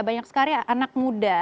banyak sekali anak muda